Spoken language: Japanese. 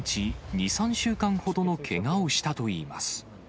２、３週間ほどのけがをしたといいます。